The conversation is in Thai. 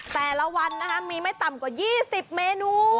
แต่ละวันนะคะมีไม่ต่ำกว่า๒๐เมนู